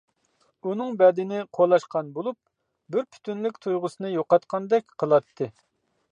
ئۇنىڭ بەدىنى قولاشقان بولۇپ، بىر پۈتۈنلۈك تۇيغۇسىنى يوقاتقاندەك قىلاتتى.